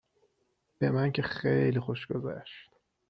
به من که خیلی خوش گذشت